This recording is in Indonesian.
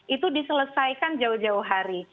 itu diselesaikan jauh jauh hari